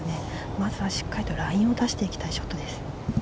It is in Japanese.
まずはしっかりとラインを出していきたいショットです。